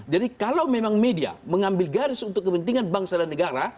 jadi kalau memang media mengambil garis untuk kepentingan bangsa dan negara